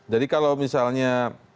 jadi kalau misalnya